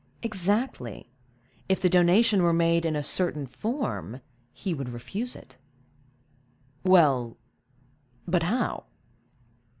"Exactly: if the donation were made in a certain form he would refuse it." "Well; but how?"